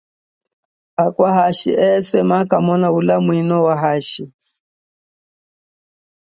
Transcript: Akwa hashi eswe maakamona ulamwino wa zambi.